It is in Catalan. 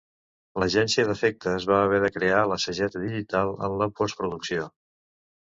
L'agència d'efectes va haver de crear la sageta digital en la postproducció.